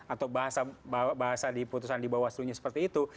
atau bahasa di putusan di bawaslu nya seperti itu